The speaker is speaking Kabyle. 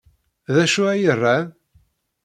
D acu ay ran?